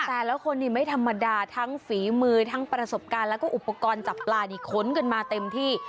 แต่ละคนนี่ไม่ธรรมดาทั้งฝีมือทั้งประสบการณ์แล้วก็อุปกรณ์จับปลานี่ค้นกันมาเต็มที่